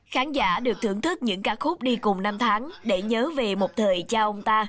khán giả được thưởng thức những ca khúc đi cùng năm tháng để nhớ về một thời cha ông ta